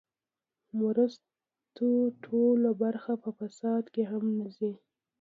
مرستو ټوله برخه په فساد کې هم نه ځي.